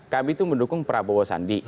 kami itu mendukung prabowo sandi